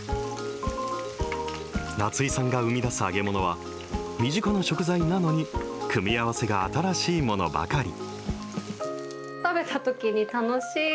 夏井さんが生み出す揚げ物は、身近な食材なのに、組み合わせが新しいものばかり。